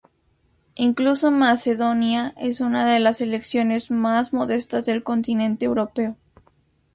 Incluso Macedonia es una de las selecciones más modestas del continente europeo.